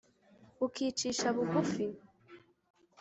ukicisha bugufi